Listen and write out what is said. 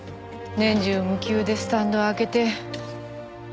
年中無休でスタンド開けて。